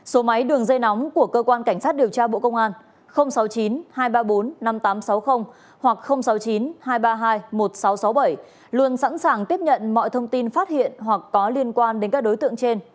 số máy đường dây nóng của cơ quan cảnh sát điều tra bộ công an sáu mươi chín hai trăm ba mươi bốn năm nghìn tám trăm sáu mươi hoặc sáu mươi chín hai trăm ba mươi hai một nghìn sáu trăm sáu mươi bảy luôn sẵn sàng tiếp nhận mọi thông tin phát hiện hoặc có liên quan đến các đối tượng trên